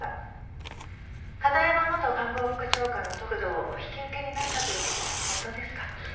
片山元官房副長官の得度をお引き受けになったというのは本当ですか？